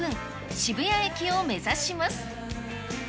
渋谷駅を目指します。